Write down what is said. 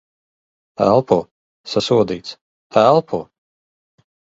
Elpo. Sasodīts. Elpo!